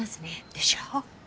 でしょ？